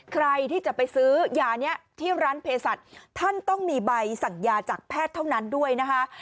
ใครที่จะไปซื้อยานี้ที่ร้านเพศัตริย์ท่านต้องมีใบสั่งยาจากแพทย์เท่านั้นด้วยนะคะ